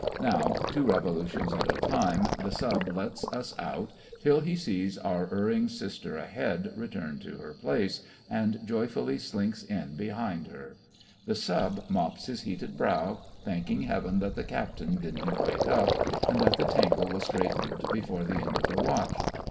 Now, two revolutions at a time, the Sub lets us out till he sees our erring sister ahead return to her place, and joyfully slinks in behind her. The Sub mops his heated brow, thanking Heaven that the Captain didn't wake up, and that the tangle was straightened before the end of the watch.